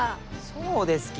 そうですき！